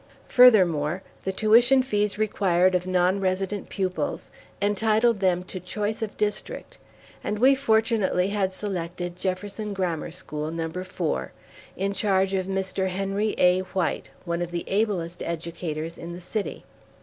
Furthermore, the tuition fees required of non resident pupils entitled them to choice of district, and we fortunately had selected Jefferson Grammar School, No. 4, in charge of Mr. Henry A. White, one of the ablest educators in the city.